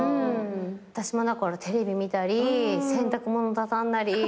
私もテレビ見たり洗濯物畳んだり。